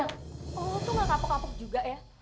kamu tuh gak kapok kapok juga ya